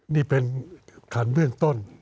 นี่เป็นขันเบื้องต้น